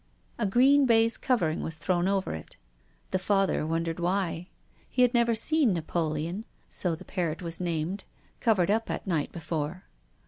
A green baize covering was thrown over it. The Father won dered why. He had never seen Napoleon — so the parrot was named — covered up at night be fore.